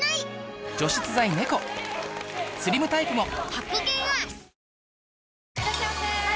続くいらっしゃいませ！